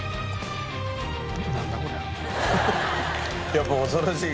やっぱ恐ろしい。